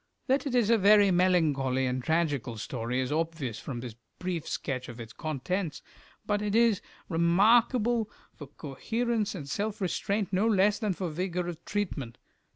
That it is a very melancholy and tragical story is obvious from this brief sketch of its contents, but it is remarkable for coherence and self restraint no less than for vigour of treatment.